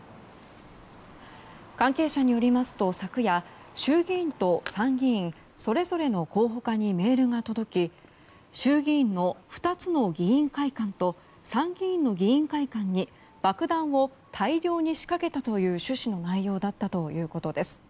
関係者によりますと昨夜、衆議院と参議院それぞれの広報課にメールが届き衆議院の２つの議員会館と参議院の議員会館に爆弾を大量に仕掛けたという趣旨の内容だったということです。